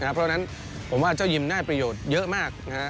เพราะฉะนั้นผมว่าเจ้ายิมได้ประโยชน์เยอะมาก